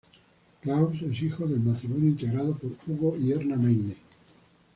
Klaus es hijo del matrimonio integrado por Hugo y Erna Meine.